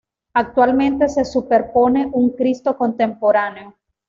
Actualmente se superpone un Cristo contemporáneo.